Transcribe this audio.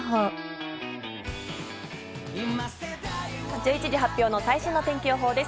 １１時発表の最新の天気予報です。